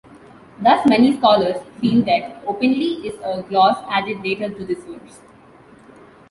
Thus many scholars feel that openly is a gloss added later to this verse.